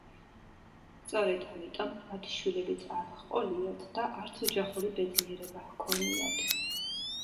სწორედ ამიტომ, მათ შვილებიც არ ჰყოლიათ და არც ოჯახური ბედნიერება ჰქონიათ.